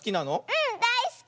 うんだいすき！